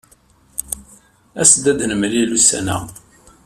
As-d ad nemlil ussan-a.